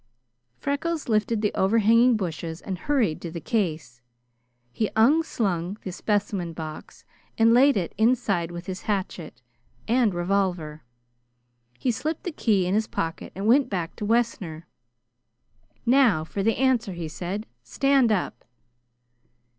Freckles lifted the overhanging bushes and hurried to the case. He unslung the specimen box and laid it inside with his hatchet and revolver. He slipped the key in his pocket and went back to Wessner. "Now for the answer," he said. "Stand up!"